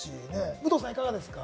武藤さん、いかがですか？